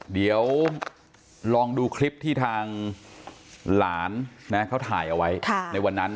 เดี๋ยวลองดูคลิปที่ทางหลานเขาถ่ายเอาไว้ในวันนั้น